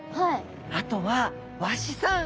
あとはワシさん